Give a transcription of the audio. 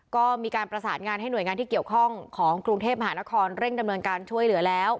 ก็มีการประสานงานให้หน่วยงานที่เกี่ยวข้องของกรุงเทพมหานครเร่งดำเนินการช่วยเหลือแล้ว